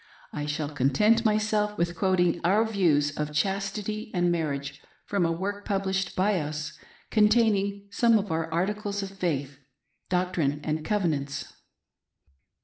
I shall content myself with quoting our views of chastity and marriage from a work published iby us, containing some of our articles of faith — Doctrine andCovenants."